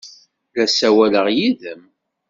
La ssawaleɣ yid-m!